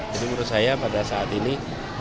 jadi menurut saya pada saat ini